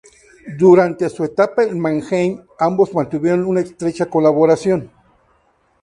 Durante su etapa en Mannheim, ambos mantuvieron una estrecha colaboración.